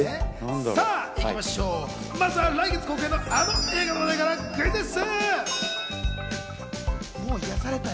さぁいきましょう、まずは来月公開のあの映画の話題からクイズッス！